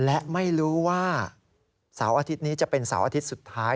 และไม่รู้ว่าเสาร์อาทิตย์นี้จะเป็นเสาร์อาทิตย์สุดท้าย